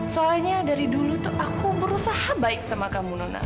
soalnya dari dulu tuh aku berusaha baik sama kamu nonak